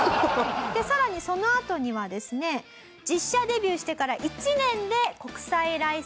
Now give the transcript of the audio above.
さらにそのあとにはですね実車デビューしてから１年で国際ライセンスを取ります。